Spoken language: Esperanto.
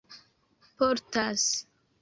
portas